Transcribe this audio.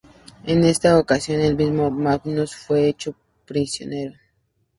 En esa ocasión, el mismo Magnus fue hecho prisionero.